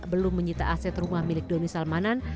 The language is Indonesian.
belum menyita aset rumah milik doni salmanan